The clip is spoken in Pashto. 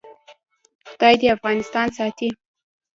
خدای دې افغانستان ساتي